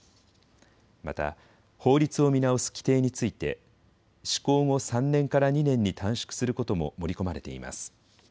また法律を見直す規定について施行後３年から２年に短縮することも盛り込まれています。